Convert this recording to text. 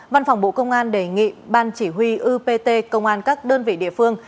văn phòng bộ công an đề nghị ban chỉ huy upt công an các đơn vị địa phương